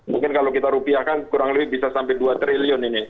mungkin kalau kita rupiahkan kurang lebih bisa sampai dua triliun ini